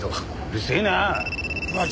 うるせえなあ。